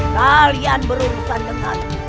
kalian berurusan dengan